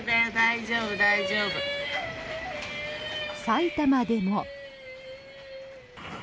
埼玉でも。